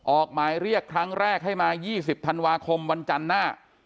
ออกหมายเรียกครั้งแรกให้มา๒๐ธันวาคมวันจันทร์หน้า